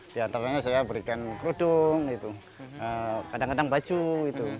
di antaranya saya berikan kerudung kadang kadang baju itu